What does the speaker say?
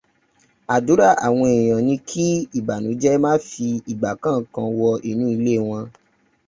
Àdúrà àwọn èèyàn ni kí ìbànújẹ́ má fi ìgbà kankan wọ inú ilé wọn.